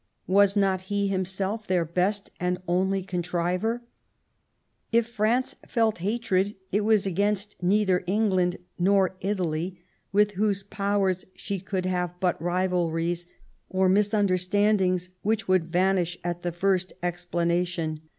... Was not he himself their best and only contriver ? If France felt hatred, it was against neither England nor Italy ; with those Powers she could have but rivalries or mis understandings which would vanish at the first explanation.